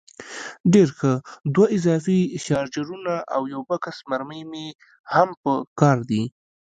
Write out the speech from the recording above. ډېر ښه، دوه اضافي شاجورونه او یو بکس مرمۍ مې هم په کار دي.